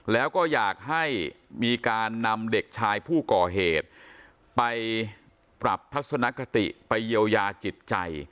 แล้วก็อยากให้มีการนำเด็กชายผู้ก่อเหตุไปปรับทัศนคติไปเยียวยาจิตใจ